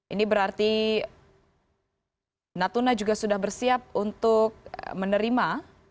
ini berarti natuna juga sudah bersiap untuk menerima